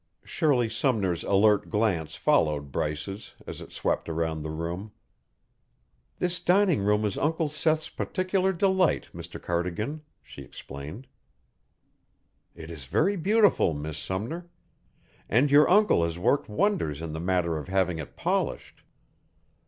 Shirley Sumner's alert glance followed Bryce's as it swept around the room. "This dining room is Uncle Seth's particular delight, Mr. Cardigan," she explained. "It is very beautiful, Miss Sumner. And your uncle has worked wonders in the matter of having it polished.